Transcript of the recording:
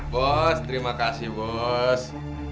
bos terima kasih bos